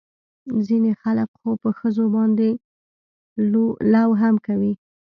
ځينې خلق خو په ښځو باندې لو هم کوي.